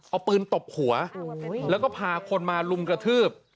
เอาปืนตบหัวแล้วก็พาคนมาลุมกระทืบ